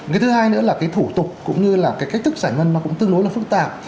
cái thứ hai nữa là cái thủ tục cũng như là cái cách thức giải ngân nó cũng tương đối là phức tạp